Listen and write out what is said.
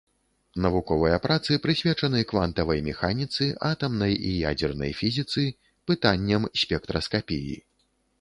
Навуковыя працы прысвечаны квантавай механіцы, атамнай і ядзернай фізіцы, пытанням спектраскапіі.